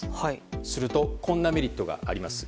するとこんなメリットがあります。